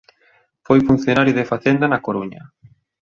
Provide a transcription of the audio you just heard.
Foi funcionario de Facenda na Coruña.